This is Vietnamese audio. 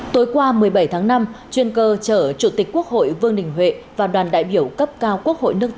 tối qua một mươi bảy tháng năm chuyên cơ chở chủ tịch quốc hội vương đình huệ và đoàn đại biểu cấp cao quốc hội nước ta